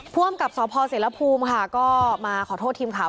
ผู้อำกับสศศิรภูมิค่ะก็มาขอโทษทีมข่าว